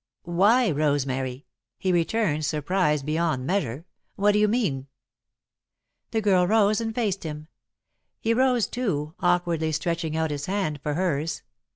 "Why, Rosemary!" he returned, surprised beyond measure. "What do you mean?" The girl rose and faced him. He rose, too, awkwardly stretching out his hand for hers.